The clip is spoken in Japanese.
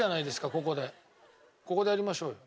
ここでやりましょうよ。